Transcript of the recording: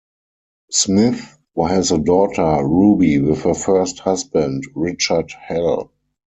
Smyth has a daughter, Ruby, with her first husband Richard Hell.